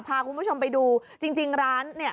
พาคุณผู้ชมไปดูจริงร้านเนี่ย